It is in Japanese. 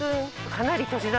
かなり年。